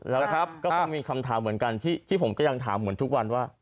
แล้วก็คงมีคำถามเหมือนกันที่ผมก็ยังถามเหมือนทุกวันว่า